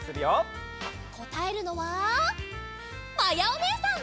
こたえるのはまやおねえさん！